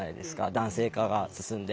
男性化が進んで。